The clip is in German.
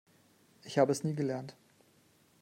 Ich habe es nie gelernt.